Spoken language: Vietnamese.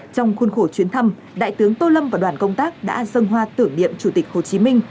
trong khuôn khổ chuyến thăm đại tướng tô lâm và đoàn công tác đã dâng hoa tưởng niệm chủ tịch hồ chí minh